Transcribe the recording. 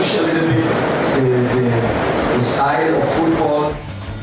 sekaligus tim lingkar arak berbentuk ekologi